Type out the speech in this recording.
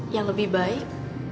yang lebih baik